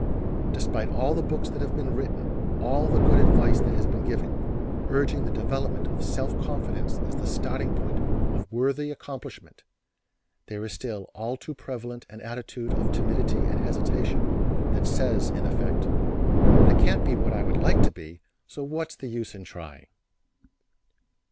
Despite all the books that have been written, and the good advice that has been given, urging the development of self confidence as the starting point for worthy accomplishment, there is still all too prevalent an attitude of timidity and hesitation that says in effect: "I can't be what I would like to be, so what's the use of trying."